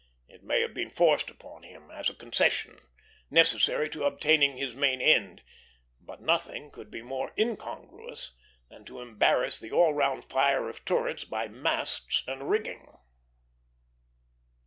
It may have been forced upon him as a concession, necessary to obtain his main end; but nothing could be more incongruous than to embarrass the all round fire of turrets by masts and rigging.